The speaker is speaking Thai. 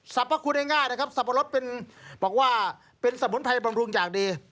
แสบเว้าฮูลย์ง่าสับปะรดเป็นสมบูรณ์ภายบำรุงอย่างดี